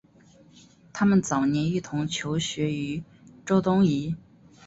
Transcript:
他们早年一同求学于周敦颐。